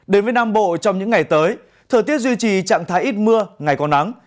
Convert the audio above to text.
đến với nam bộ trong những ngày tới thời tiết duy trì trạng thái ít mưa ngày có nắng